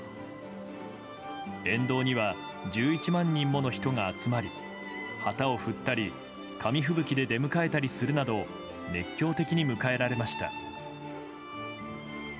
沿道には１１万人もの人が集まり旗を振ったり紙吹雪で出迎えたりするなど熱狂的に迎えられました。